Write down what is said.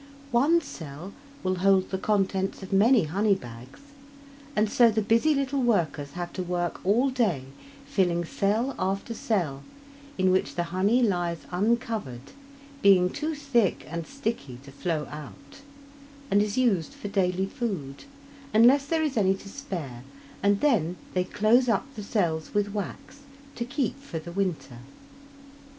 One cell will hold the contents of many honey bags, and so the busy little workers have to work all day filling cell after cell, in which the honey lies uncovered, being too thick and sticky to flow out, and is used for daily food unless there is any to spare, and then they close up the cells with wax to keep for the winter.